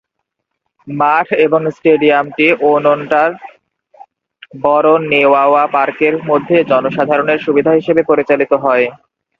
মাঠ এবং স্টেডিয়ামটি ওনোন্টা'র বড় নিয়াওয়া পার্কের মধ্যে জনসাধারণের সুবিধা হিসাবে পরিচালিত হয়।